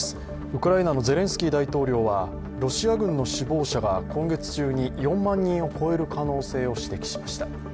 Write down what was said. ウクライナのゼレンスキー大統領はロシア軍の死亡者が今月中に４万人を超える可能性を指摘しました。